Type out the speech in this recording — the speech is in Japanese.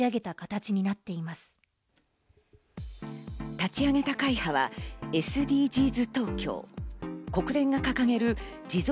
立ち上げた会派はＳＤＧｓ